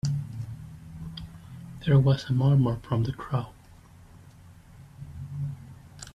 There was a murmur from the crowd.